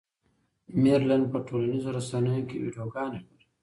مېرلن په ټولنیزو رسنیو کې ویډیوګانې خپروي.